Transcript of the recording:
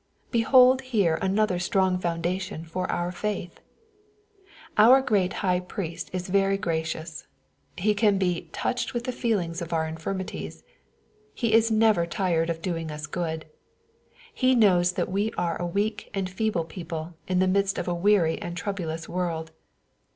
Behold here another strong foundation for our faith 1 Our great High Priest is very gracious. He can be " touched with the feeling of our infirmities." He is never tired of doing us good. He knows that we are a weak and feeble people, in the midst of a weary and troublous world.